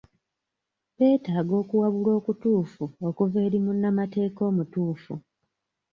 Betaaga okuwabulwa okutuufu okuva eri munnamateeka omutuufu.